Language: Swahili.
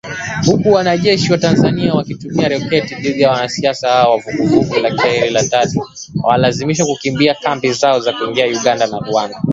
Huku wanajeshi wa Tanzania wakitumia roketi dhidi ya waasi hao wa Vuguvugu la Ishirini na tatu na kuwalazimu kukimbia kambi zao na kuingia Uganda na Rwanda